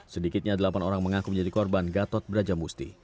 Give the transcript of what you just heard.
sedikitnya delapan orang mengaku menjadi korban gatot brajamusti